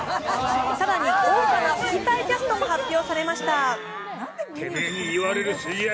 更に豪華な吹き替えキャストも発表されました。